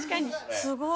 すごい。